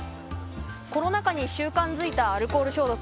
コロナ禍に習慣づいたアルコール消毒。